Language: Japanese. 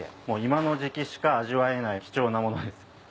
もう今の時季しか味わえない貴重な物です。